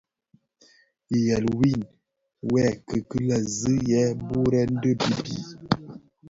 Ighel win, wuê kikilè zi yè burèn di bibid.